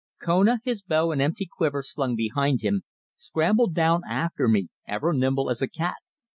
Kona, his bow and empty quiver slung behind him, scrambled down after me ever nimble as a cat.